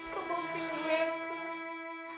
kau mau pinjam aku